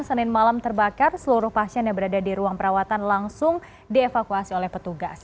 senin malam terbakar seluruh pasien yang berada di ruang perawatan langsung dievakuasi oleh petugas